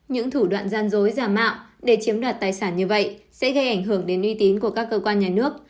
những thủ đoạn gian dối giả mạo để chiếm đoạt tài sản như vậy sẽ gây ảnh hưởng đến uy tín của các cơ quan nhà nước